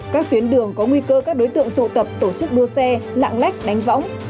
các tuyến đường có nguy cơ các đối tượng tụ tập tổ chức đua xe lạng lách đánh võng